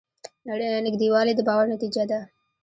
نږدېوالی د باور نتیجه ده.